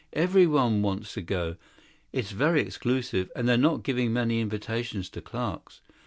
Every one wants to go; it is very select, and they are not giving many invitations to clerks.